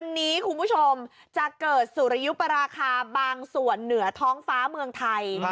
วันนี้คุณผู้ชมจะเกิดสุริยุปราคาบางส่วนเหนือท้องฟ้าเมืองไทย